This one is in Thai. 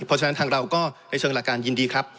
เพราะฉะนั้นทางเราก็ในเชิงหลักการยินดีครับ